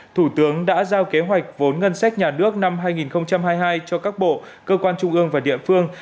thủ tướng đã giao kế hoạch vốn ngân sách nhà nước năm hai nghìn hai mươi hai cho các bộ cơ quan trung ương và địa phương